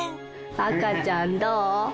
赤ちゃんどお？